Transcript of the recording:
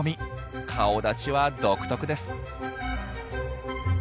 顔だちは独特です。